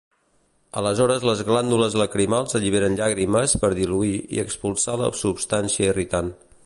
Aleshores les glàndules lacrimals alliberen llàgrimes per diluir i expulsar la substància irritant.